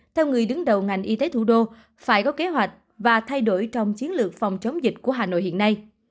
theo người đứng đầu ngành y tế thủ đô phải có kế hoạch và thay đổi trong chiến lược phòng chống dịch của hà nội hiện nay